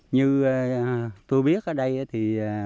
như tôi biết ở đây thì